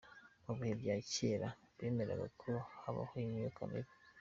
Mu bihe bya kera bemeraga ko habaho imyuka mibi.